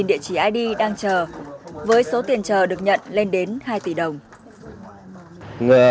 địa chỉ id đang chờ với số tiền chờ được nhận lên đến hai tỷ đồng